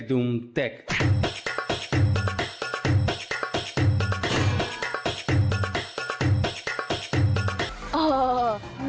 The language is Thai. ลุกไปรอง